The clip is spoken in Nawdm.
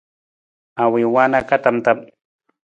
Ma wii waana ka tam tam.